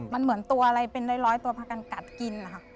มันเหมือนตัวอะไรเป็นร้อยตัวพากันกัดกินนะคะ